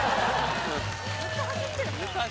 ずっと走ってるもん。